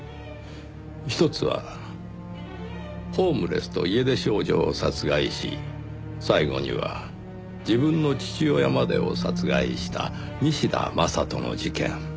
１つはホームレスと家出少女を殺害し最後には自分の父親までを殺害した西田正人の事件。